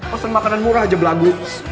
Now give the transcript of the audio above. pesan makanan murah aja belagu